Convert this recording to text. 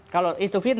kalau itu fitnah